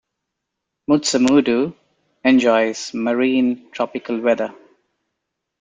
Mutsamudu enjoys marine tropical weather.